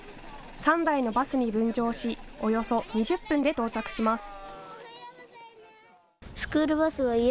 ３台のバスに分乗しおよそ２０分で到着します。